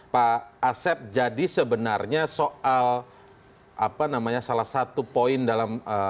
pak asep jadi sebenarnya soal salah satu poin dalam